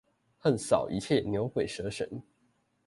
橫掃一切牛鬼蛇神